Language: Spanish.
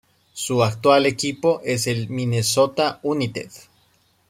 Su actual equipo es el Minnesota United.